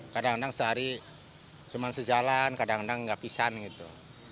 kadang kadang sehari cuma sejalan kadang kadang nggak pisang gitu